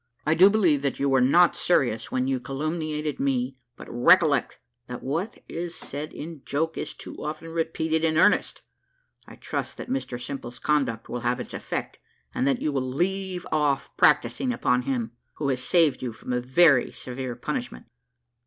I do believe that you were not serious when you calumniated me; but recollect that what is said in joke is too often repeated in earnest. I trust that Mr Simple's conduct will have its effect, and that you will leave off practising upon him, who has saved you from a very severe punishment."